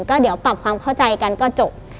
ก็เดี๋ยวปรับความเข้าใจกันก็จบ